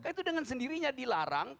itu dengan sendirinya dilarang